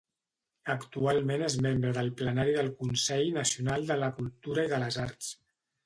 Actualment és membre del plenari del Consell Nacional de la Cultura i de les Arts.